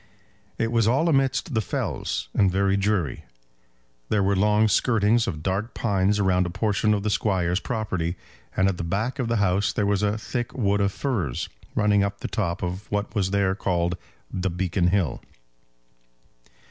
It was all amidst the fells, and very dreary. There were long skirtings of dark pines around a portion of the Squire's property, and at the back of the house there was a thick wood of firs running up to the top of what was there called the Beacon Hill.